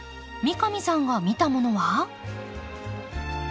三上さんが見たものは？